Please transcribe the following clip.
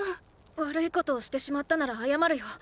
悪いことをしてしまったなら謝るよ。